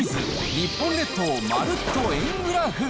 日本列島まるっと円グラフ。